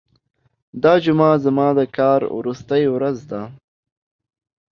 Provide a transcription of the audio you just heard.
دا جمعه زما د کار وروستۍ ورځ ده.